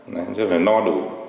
người dân phải no đủ